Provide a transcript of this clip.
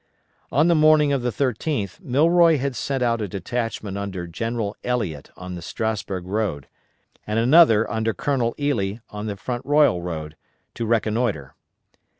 On the morning of the 13th Milroy had sent out a detachment under General Elliot on the Strasburg road, and another under Colonel Ely on the Front Royal road, to reconnoitre.